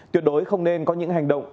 tuyệt đối không nên có những hành động